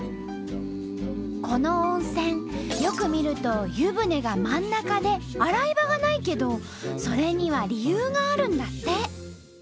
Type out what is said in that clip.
この温泉よく見ると湯船が真ん中で洗い場がないけどそれには理由があるんだって。